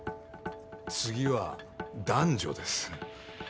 次は男女です。